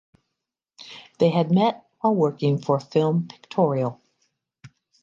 They had met while working for "Film Pictorial".